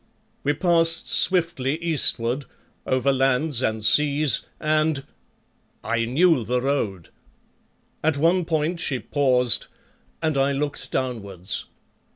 We passed swiftly eastward, over lands and seas, and I knew the road. At one point she paused and I looked downwards.